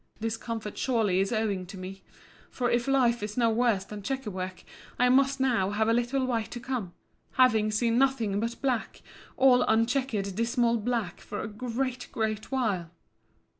This comfort surely is owing to me; for if life is no worse than chequer work, I must now have a little white to come, having seen nothing but black, all unchequered dismal black, for a great, great while.